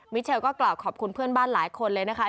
เชลก็กล่าวขอบคุณเพื่อนบ้านหลายคนเลยนะคะ